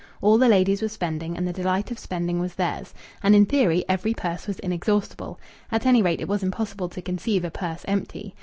All the ladies were spending, and the delight of spending was theirs. And in theory every purse was inexhaustible. At any rate, it was impossible to conceive a purse empty.